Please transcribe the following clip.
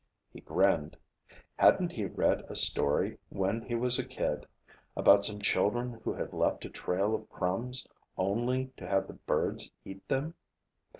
He grinned. Hadn't he read a story when he was a kid about some children who had left a trail of crumbs only to have the birds eat them?